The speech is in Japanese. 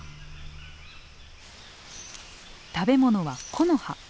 食べ物は木の葉。